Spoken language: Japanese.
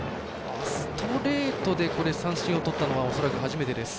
ストレートで三振をとったのは恐らく初めてです。